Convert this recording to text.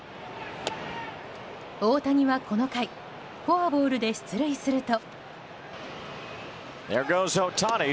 大谷は、この回フォアボールで出塁すると。